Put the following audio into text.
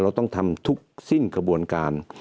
เราต้องทำทุกสิ้นกระบวนการ